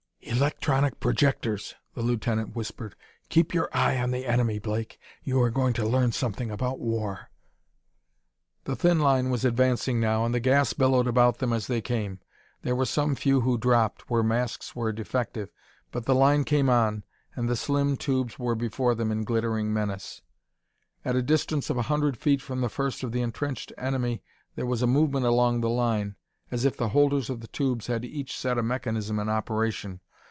"Electronic projectors," the lieutenant whispered. "Keep your eye on the enemy, Blake; you are going to learn something about war." The thin line was advancing now and the gas billowed about them as they came. There were some few who dropped, where masks were defective, but the line came on, and the slim tubes were before them in glittering menace. At a distance of a hundred feet from the first of the entrenched enemy there was a movement along the line, as if the holders of the tubes had each set a mechanism in operation.